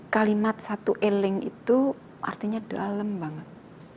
kalimat satu eling itu artinya dalam banget